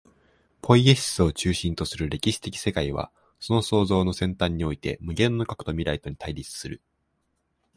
ポイエシスを中心とする歴史的世界は、その創造の尖端において、無限の過去と未来とに対立する。